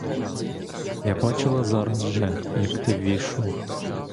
Я бачила зараз же, як ти ввійшов.